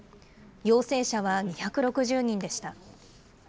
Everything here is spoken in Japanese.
陽性者は２６０人でした。